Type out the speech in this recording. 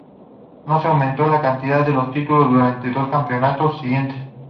No se aumentó la cantidad de los títulos durante dos campeonatos siguientes.